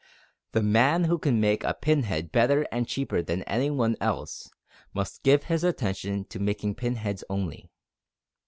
The man who can make a pin head better and cheaper than any one else, must give his attention to making pin heads only.